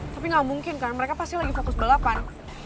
tapi nggak mungkin kan mereka pasti lagi fokus balapan